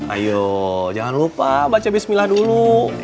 ayo jangan lupa baca bismillah dulu